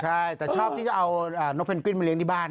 ใช่แต่ชอบที่จะเอานกเพนกวินมาเลี้ยที่บ้าน